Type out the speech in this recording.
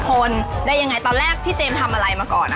คนได้ยังไงตอนแรกพี่เจมส์ทำอะไรมาก่อน